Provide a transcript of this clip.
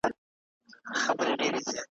پرسکروټو به وروړمه د تڼاکو رباتونه ,